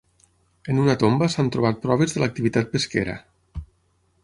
En una tomba s'han trobat proves de l'activitat pesquera.